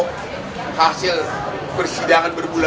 kita selalu seperti gak berguna